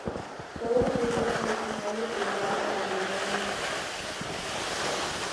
Todos ellos originarios del barrio madrileño de San Cristóbal de los Ángeles.